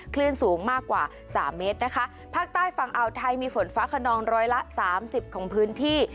คลื่นสูงมากกว่าสามเมตรนะคะภาคใต้ฝั่งอ่าวไทยมีฝนฟ้าขนองร้อยละสามสิบของพื้นที่